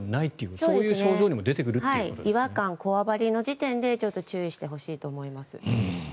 こういう症状にも違和感、こわばりの時点で注意してほしいと思います。